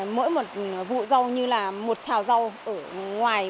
mỗi một vụ rau như là một xào ở ngoài